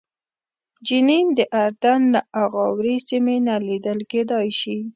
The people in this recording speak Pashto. جنین د اردن له اغاورې سیمې نه لیدل کېدای شي.